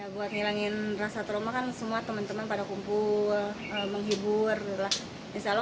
buat nilangin rasa trauma kan semua teman teman pada kumpul menghibur